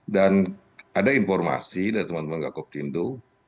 dan ada informasi dari teman teman raskakopindo